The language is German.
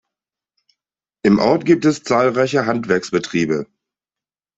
Im Ort gibt es zahlreiche Handwerksbetriebe.